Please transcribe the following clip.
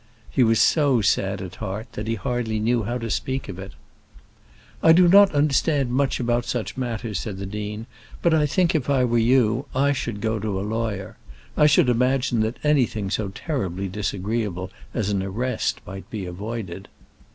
He was so sad at heart that he hardly knew how to speak of it. "I do not understand much about such matters," said the dean; "but I think, if I were you, I should go to a lawyer. I should imagine that anything so terribly disagreeable as an arrest might be avoided."